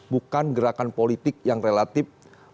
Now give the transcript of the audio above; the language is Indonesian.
bukan gerakan politik yang relatif